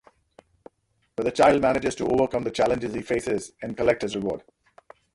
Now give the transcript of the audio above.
But the child manages to overcome the challenges he faces and collects his reward.